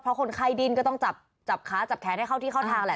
เพราะคนไข้ดิ้นก็ต้องจับขาจับแขนให้เข้าที่เข้าทางแหละ